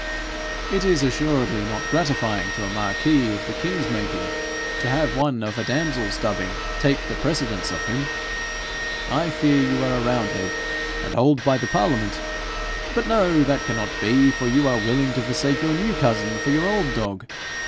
'It is assuredly not gratifying to a marquis of the king's making to have one of a damsel's dubbing take the precedence of him. I fear you are a roundhead and hold by the parliament. But no that cannot be, for you are willing to forsake your new cousin for your old dog.